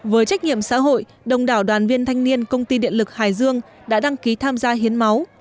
với trách nhiệm xã hội đồng đảo đoàn viên thanh niên công ty điện lực hải dương đã đăng ký tham gia hiến máu